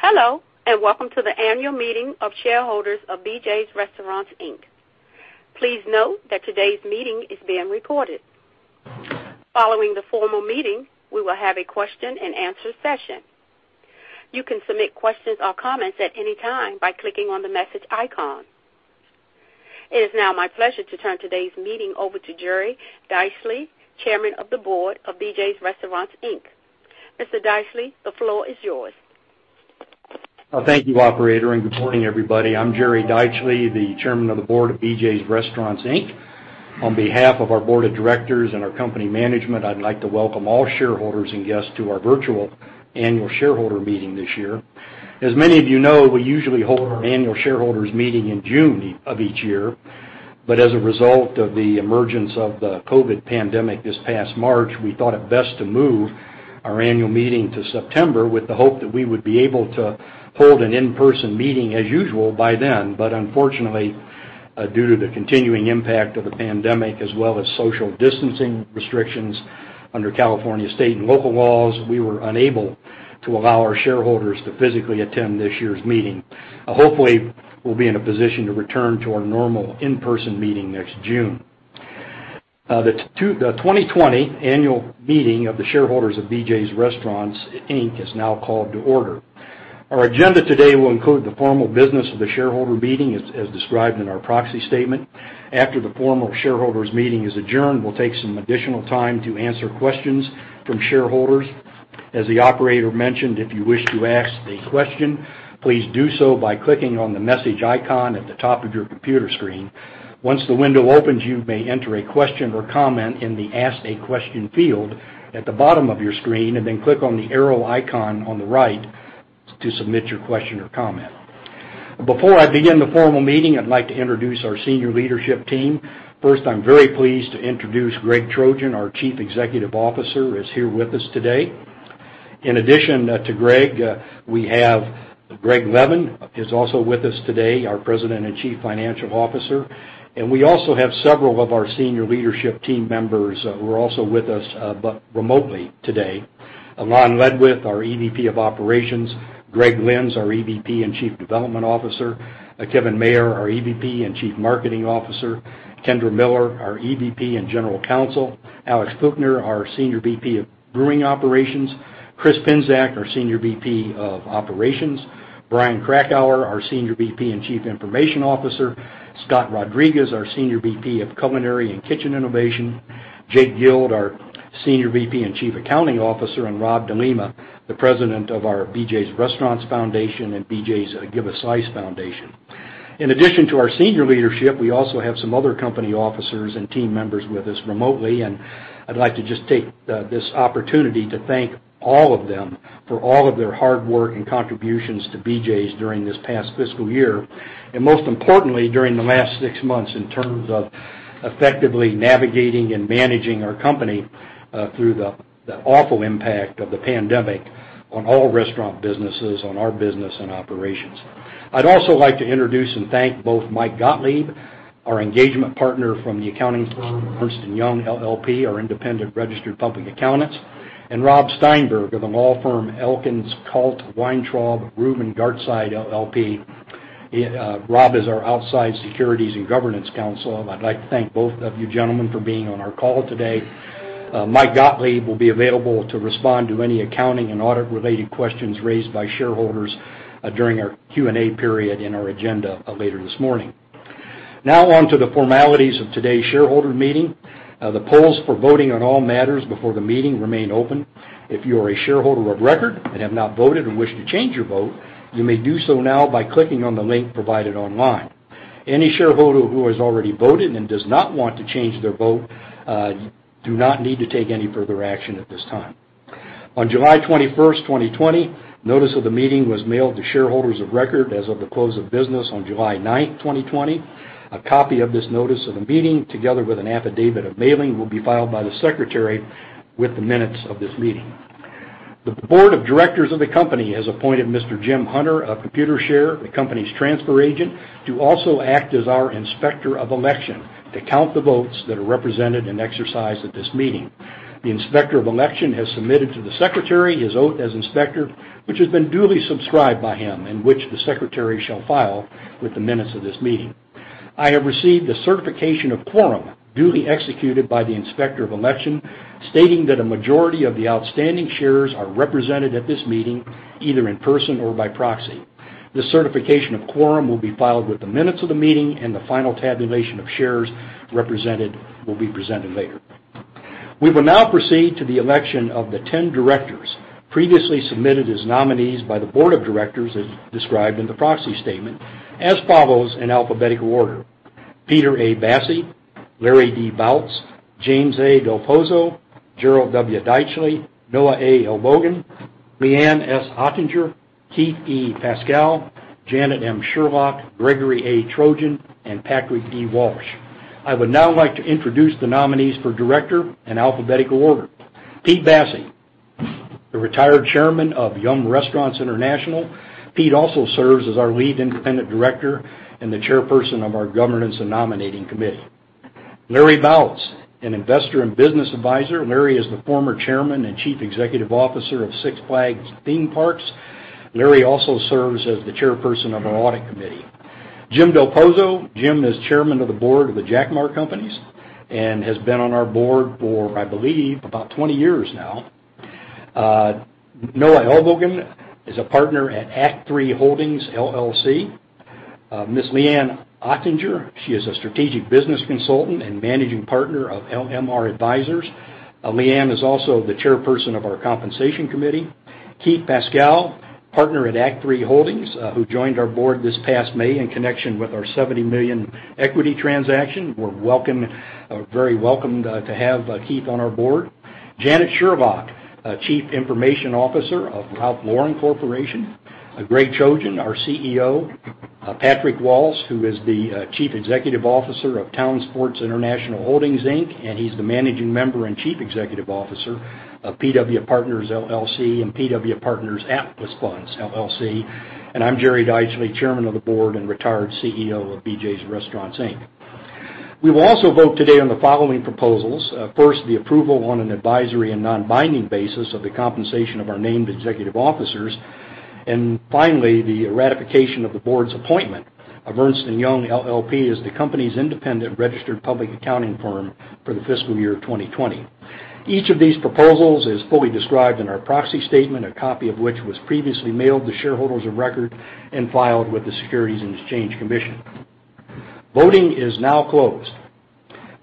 Hello, welcome to the annual meeting of shareholders of BJ's Restaurants, Inc. Please note that today's meeting is being recorded. Following the formal meeting, we will have a question- and- answer session. You can submit questions or comments at any time by clicking on the message icon. It is now my pleasure to turn today's meeting over to Jerry Deitchle, Chairman of the Board of BJ's Restaurants, Inc. Mr. Deitchle, the floor is yours. Thank you, operator. Good morning, everybody. I'm Jerry Deitchle, the Chairman of the Board of BJ's Restaurants, Inc. On behalf of our board of directors and our company management, I'd like to welcome all shareholders and guests to our virtual annual shareholder meeting this year. As many of you know, we usually hold our annual shareholders meeting in June of each year. As a result of the emergence of the COVID pandemic this past March, we thought it best to move our annual meeting to September with the hope that we would be able to hold an in-person meeting as usual by then. Unfortunately, due to the continuing impact of the pandemic as well as social distancing restrictions under California state and local laws, we were unable to allow our shareholders to physically attend this year's meeting. Hopefully, we'll be in a position to return to our normal in-person meeting next June. The 2020 annual meeting of the shareholders of BJ's Restaurants, Inc. is now called to order. Our agenda today will include the formal business of the shareholder meeting as described in our proxy statement. After the formal shareholders meeting is adjourned, we'll take some additional time to answer questions from shareholders. As the operator mentioned, if you wish to ask a question, please do so by clicking on the message icon at the top of your computer screen. Once the window opens, you may enter a question or comment in the Ask a Question field at the bottom of your screen, and then click on the arrow icon on the right to submit your question or comment. Before I begin the formal meeting, I'd like to introduce our senior leadership team. First, I'm very pleased to introduce Greg Trojan, our Chief Executive Officer, is here with us today. In addition to Greg, we have Greg Levin is also with us today, our President and Chief Financial Officer. We also have several of our senior leadership team members who are also with us, but remotely today. Lon Ledwith, our EVP of Operations, Greg Lynds, our EVP and Chief Development Officer, Kevin Mayer, our EVP and Chief Marketing Officer, Kendra Miller, our EVP and General Counsel, Alex Puchner, our Senior VP of Brewing Operations, Chris Pinsak, our Senior VP of Operations, Brian Krakower, our Senior VP and Chief Information Officer, Scott Rodriguez, our Senior VP of Culinary and Kitchen Innovation, Jake Guild, our Senior VP and Chief Accounting Officer, Rob DeLiema, the President of our BJ's Restaurants Foundation and BJ's Give a Slice Foundation. In addition to our senior leadership, we also have some other company officers and team members with us remotely, and I'd like to just take this opportunity to thank all of them for all of their hard work and contributions to BJ's during this past fiscal year. Most importantly, during the last six months in terms of effectively navigating and managing our company through the awful impact of the pandemic on all restaurant businesses, on our business and operations. I'd also like to introduce and thank both Mike Gottlieb, our Engagement Partner from the accounting firm Ernst & Young LLP, our independent registered public accountants, and Rob Steinberg of the law firm Elkins Kalt Weintraub Reuben Gartside LLP. Rob is our outside securities and governance counsel. I'd like to thank both of you gentlemen for being on our call today. Mike Gottlieb will be available to respond to any accounting and audit-related questions raised by shareholders during our Q&A period in our agenda later this morning. Now on to the formalities of today's shareholder meeting. The polls for voting on all matters before the meeting remain open. If you are a shareholder of record and have not voted or wish to change your vote, you may do so now by clicking on the link provided online. Any shareholder who has already voted and does not want to change their vote do not need to take any further action at this time. On July 21st, 2020, notice of the meeting was mailed to shareholders of record as of the close of business on July 9th, 2020. A copy of this notice of the meeting, together with an affidavit of mailing, will be filed by the Secretary with the minutes of this meeting. The board of directors of the company has appointed Mr. Jim Hunter of Computershare, the company's transfer agent, to also act as our Inspector of Election to count the votes that are represented and exercised at this meeting. The Inspector of Election has submitted to the Secretary his oath as inspector, which has been duly subscribed by him, and which the Secretary shall file with the minutes of this meeting. I have received a certification of quorum duly executed by the Inspector of Election, stating that a majority of the outstanding shares are represented at this meeting, either in person or by proxy. This certification of quorum will be filed with the minutes of the meeting, and the final tabulation of shares represented will be presented later. We will now proceed to the election of the 10 directors previously submitted as nominees by the board of directors as described in the proxy statement as follows in alphabetical order: Peter A. Bassi, Larry D. Bouts, James A. Dal Pozzo, Gerald W. Deitchle, Noah A. Elbogen, Lea Anne S. Ottinger, Keith E. Pascal, Janet M. Sherlock, Gregory A. Trojan, and Patrick D. Walsh. I would now like to introduce the nominees for director in alphabetical order. Pete Bassi, the retired Chairman of Yum! Restaurants International. Pete also serves as our Lead Independent Director and the Chairperson of our Governance and Nominating Committee. Larry Bouts, an investor and business advisor. Larry is the former Chairman and Chief Executive Officer of Six Flags Theme Parks. Larry also serves as the chairperson of our audit committee. Jim Dal Pozzo. Jim is Chairman of the board of The Jacmar Companies and has been on our board for, I believe, about 20 years now. Noah A. Elbogen is a Partner at Act III Holdings, LLC. Ms. Lea Anne S. Ottinger, she is a Strategic Business Consultant and Managing Partner of LMR Advisors, LLC. Lea Anne is also the chairperson of our compensation committee. Keith E. Pascal, Partner at Act III Holdings, who joined our board this past May in connection with our $70 million equity transaction. We're very welcomed to have Keith on our board. Janet Sherlock, Chief Information Officer of Ralph Lauren Corporation. Gregory A. Trojan, our CEO. Patrick D. Walsh, who is the Chief Executive Officer of Town Sports International Holdings, Inc., and he's the Managing Member and Chief Executive Officer of PW Partners LLC and PW Partners Atlas Funds, LLC. I'm Jerry Deitchle, Chairman of the Board and retired CEO of BJ's Restaurants, Inc. We will also vote today on the following proposals. First, the approval on an advisory and non-binding basis of the compensation of our named executive officers. Finally, the ratification of the board's appointment of Ernst & Young LLP as the company's independent registered public accounting firm for the fiscal year 2020. Each of these proposals is fully described in our proxy statement, a copy of which was previously mailed to shareholders of record and filed with the Securities and Exchange Commission. Voting is now closed.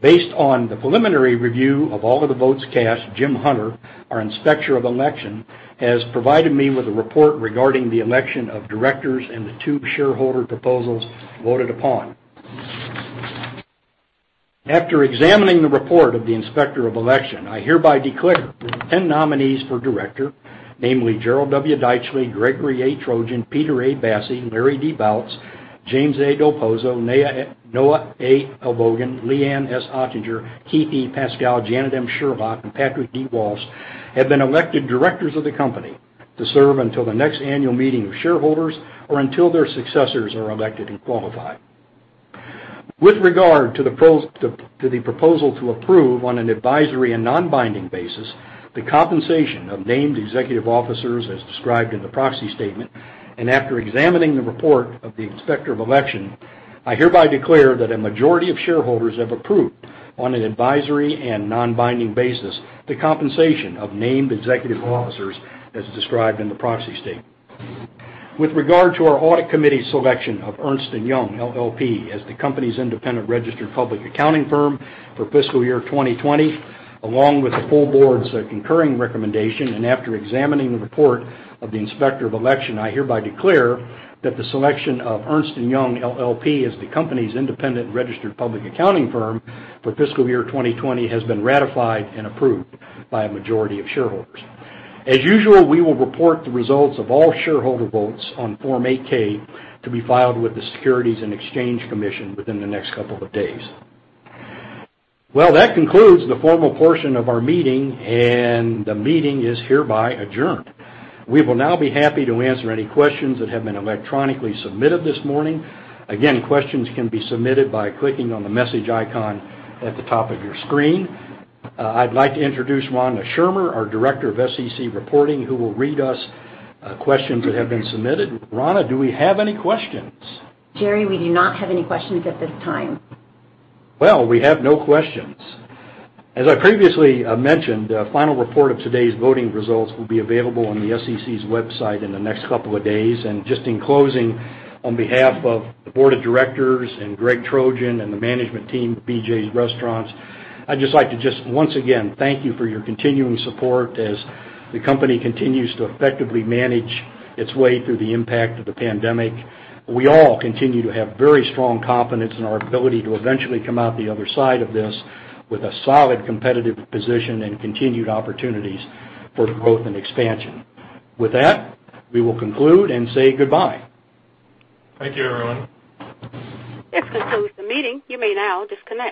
Based on the preliminary review of all of the votes cast, Jim Hunter, our inspector of election, has provided me with a report regarding the election of directors and the two shareholder proposals voted upon. After examining the report of the inspector of election, I hereby declare the 10 nominees for director, namely Gerald W. Deitchle, Gregory A. Trojan, Peter A. Bassi, Larry D. Bouts, James A. Dal Pozzo, Noah A. Elbogen, Lea Anne S. Ottinger, Keith E. Pascal, Janet M. Sherlock, and Patrick D. Walsh, have been elected directors of the company to serve until the next annual meeting of shareholders or until their successors are elected and qualified. With regard to the proposal to approve on an advisory and non-binding basis the compensation of named executive officers as described in the proxy statement, and after examining the report of the inspector of election, I hereby declare that a majority of shareholders have approved, on an advisory and non-binding basis, the compensation of named executive officers as described in the proxy statement. With regard to our audit committee's selection of Ernst & Young LLP as the company's independent registered public accounting firm for fiscal year 2020, along with the full board's concurring recommendation, and after examining the report of the inspector of election, I hereby declare that the selection of Ernst & Young LLP as the company's independent registered public accounting firm for fiscal year 2020 has been ratified and approved by a majority of shareholders. As usual, we will report the results of all shareholder votes on Form 8-K to be filed with the Securities and Exchange Commission within the next couple of days. That concludes the formal portion of our meeting, and the meeting is hereby adjourned. We will now be happy to answer any questions that have been electronically submitted this morning. Again, questions can be submitted by clicking on the message icon at the top of your screen. I'd like to introduce Rana Schirmer, our Director of SEC Reporting, who will read us questions that have been submitted. Rana, do we have any questions? Jerry, we do not have any questions at this time. Well, we have no questions. As I previously mentioned, a final report of today's voting results will be available on the SEC's website in the next couple of days. Just in closing, on behalf of the board of directors and Greg Trojan and the management team at BJ's Restaurants, I'd just like to just once again thank you for your continuing support as the company continues to effectively manage its way through the impact of the pandemic. We all continue to have very strong confidence in our ability to eventually come out the other side of this with a solid competitive position and continued opportunities for growth and expansion. With that, we will conclude and say goodbye. Thank you, everyone. This concludes the meeting. You may now disconnect.